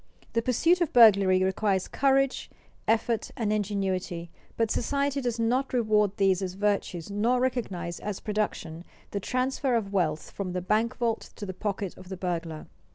The pursuit of burglary requires courage, effort, and ingenuity, but society does not reward these as virtues nor recognize as production the transfer of wealth from the bank vault to the pocket of the burglar.